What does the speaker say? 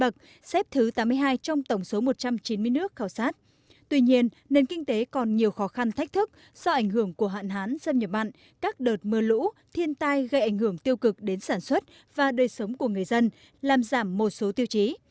tuy nhiên nền kinh tế còn nhiều khó khăn thách thức do ảnh hưởng của hạn hán xâm nhập mặn các đợt mưa lũ thiên tai gây ảnh hưởng tiêu cực đến sản xuất và đời sống của người dân làm giảm một số tiêu chí